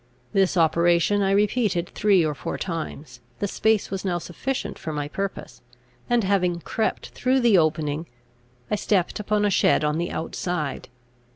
This operation I repeated three or four times The space was now sufficient for my purpose: and, having crept through the opening, I stepped upon a shed on the outside.